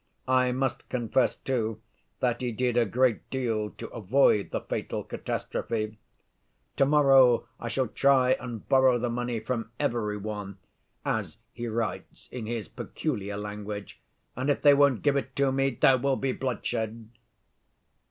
I must confess, too, that he did a great deal to avoid the fatal catastrophe. 'To‐morrow I shall try and borrow the money from every one,' as he writes in his peculiar language, 'and if they won't give it to me, there will be bloodshed.